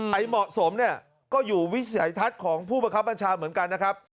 ไอ้เหมาะสมเนี่ยก็อยู่วิสัยทัศน์ของผู้บังคับบัญชาเหมือนกันนะครับ